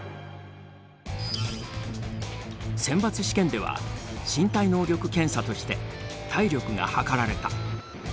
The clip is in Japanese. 選抜試験では身体能力検査として体力が測られた。